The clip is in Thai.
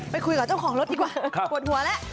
ไปคุยกับเจ้าของรถดีกว่าปวดหัวแล้ว